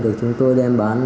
được chúng tôi đem bán